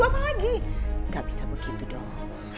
gak bisa begitu dong